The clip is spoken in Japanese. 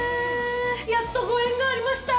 やっとご縁がありました！